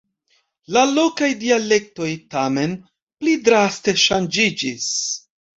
La lokaj dialektoj, tamen, pli draste ŝanĝiĝis.